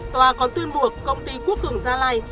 tòa còn tuyên buộc công ty quốc cường gia lai